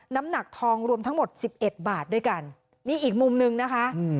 น้ำหนักทองรวมทั้งหมดสิบเอ็ดบาทด้วยกันนี่อีกมุมนึงนะคะ